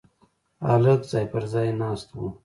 هلک ځای پر ځای ناست و.